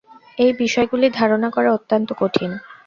এই বিষয়গুলি ধারণা করা অত্যন্ত কঠিন।